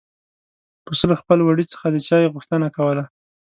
پسه له خپل وړي څخه د چای غوښتنه کوله.